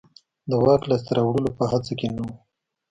د واک لاسته راوړلو په هڅه کې نه و.